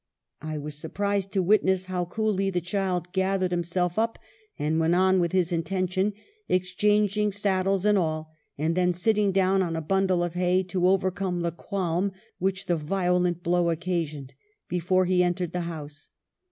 I was surprised to witness how coolly the child gathered himself up and went on with his intention ; exchanging saddles and all, and then sitting down on a bundle of hay to overcome the qualm which the violent blow occasioned, before he entered the house.